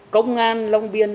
công an long biên